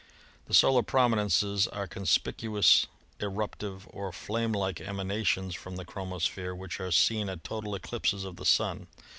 The solar prominences are conspicuous eruptive or flame like emanations from the chromosphere which are seen at total eclipses of the Sun.